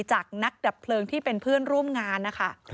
จากนักดับเพลิงที่เป็นเพื่อนร่วมงานนะคะ